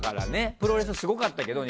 プロレスすごかったけど。